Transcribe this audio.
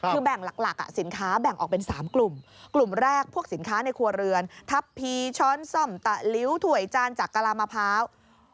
คือแบ่งหลักสินค้าแบ่งออกเป็น๓กลุ่มกลุ่มแรกพวกสินค้าในครัวเรือนทัพพีช้อนซ่อมตะลิ้วถ่วยจานจากกะลามะพร้าว